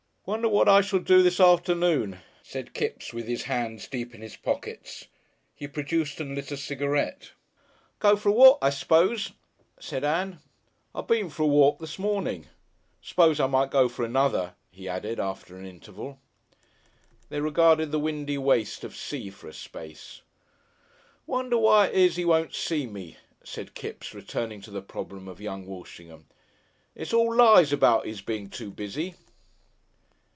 "Wonder what I shall do this afternoon," said Kipps, with his hands deep in his pockets. He produced and lit a cigarette. "Go for a walk, I s'pose," said Ann. "I been for a walk this morning. "S'pose I must go for another," he added, after an interval. They regarded the windy waste of sea for a space. "Wonder why it is 'e won't see me," said Kipps, returning to the problem of young Walshingham. "It's all lies about 'is being too busy."